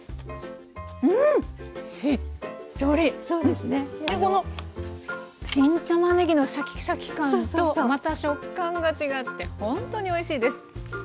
でこの新たまねぎのシャキシャキ感とまた食感が違ってほんとにおいしいです。